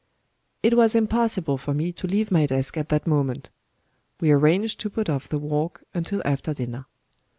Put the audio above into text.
It was impossible for me to leave my desk at that moment. We arranged to put off the walk until after dinner.